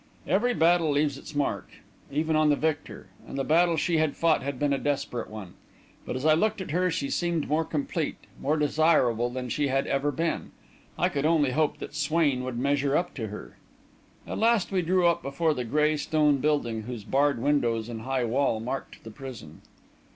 Every battle leaves its mark, even on the victor; and the battle she had fought had been a desperate one. But, as I looked at her, she seemed more complete, more desirable than she had ever been; I could only hope that Swain would measure up to her. At last, we drew up before the grey stone building, whose barred windows and high wall marked the prison.